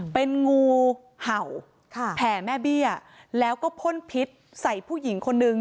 เป็นงูเห่าแผ่แม่เบี้ยแล้วก็พ่นพิษใส่ผู้หญิงคนนึง